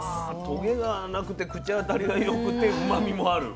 トゲがなくて口当たりがよくてうまみもある。